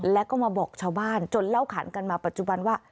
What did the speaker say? แล้วก็มาบอกชาวบ้านจนเล่าขันกันมาปัจจุบันว่า